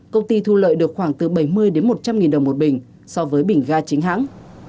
công ty thu lợi được khoảng từ bảy mươi đến một trăm linh nghìn đồng một bình so với bình ga chính hãng